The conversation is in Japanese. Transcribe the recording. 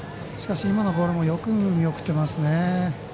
今のボールもよく見送ってますね。